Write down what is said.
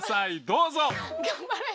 どうぞ！